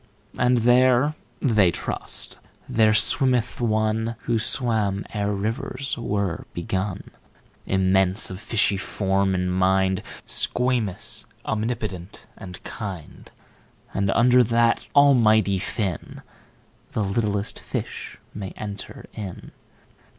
19And there (they trust) there swimmeth One20Who swam ere rivers were begun,21Immense, of fishy form and mind,22Squamous, omnipotent, and kind;23And under that Almighty Fin,24The littlest fish may enter in.